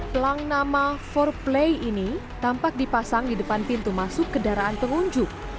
pelang nama empat play ini tampak dipasang di depan pintu masuk kendaraan pengunjung